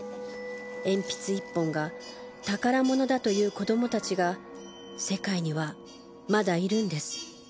鉛筆１本が宝物だという子供たちが世界にはまだいるんです。